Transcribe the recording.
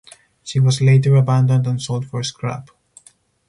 She was later abandoned and sold for scrap.